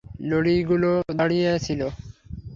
লরিগুলো দাঁড়িয়ে ছিল।